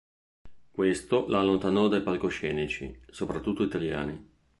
Questo la allontanò dai palcoscenici, soprattutto italiani.